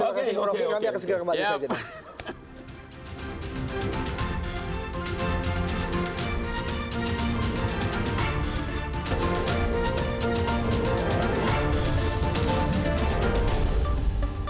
terima kasih bung rocky